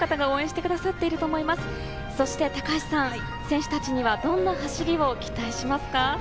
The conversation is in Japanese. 高橋さん、選手たちにどんな走りを期待したいですか？